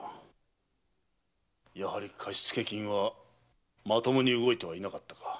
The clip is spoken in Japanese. やはり貸付金はまともに動いてはいなかったか。